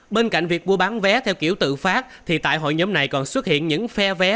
bên cạnh việc mua bán vé theo kiểu tự phát thì tại hội nhóm này còn xuất hiện những phe vé